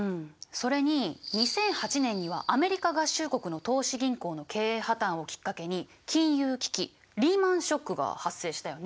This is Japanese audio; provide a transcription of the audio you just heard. それに２００８年にはアメリカ合衆国の投資銀行の経営破綻をきっかけに金融危機リーマン・ショックが発生したよね。